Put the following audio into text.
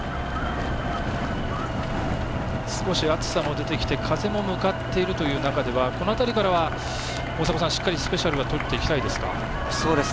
少し暑さも出てきて風も向かっているという中ではこの辺りからしっかりスペシャルは取っていきたいですか。